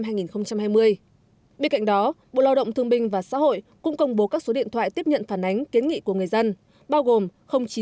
bên cạnh đó bộ lao động thương minh và xã hội cũng công bố các số điện thoại tiếp nhận phản ánh kiến nghị của người dân